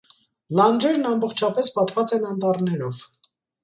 Լանջերն ամբողջապես պատված են անտառներով։